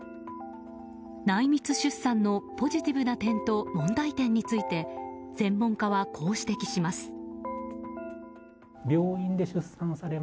内密出産のポジティブな点と問題点について専門家はこう指摘します。